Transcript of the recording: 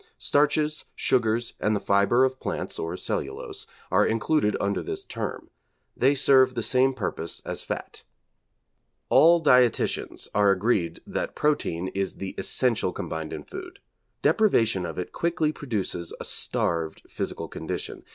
Starches, sugars, and the fibre of plants, or cellulose, are included under this term. They serve the same purpose as fat. All dietitians are agreed that protein is the essential combined in food. Deprivation of it quickly produces a starved physical condition.